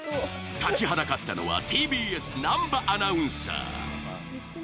立ちはだかったのはＴＢＳ・南波アナウンサー。